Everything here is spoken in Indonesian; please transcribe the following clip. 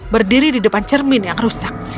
berdiri di depan cermin yang rusak